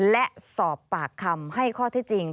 และสอบปากคำให้ข้อที่จริง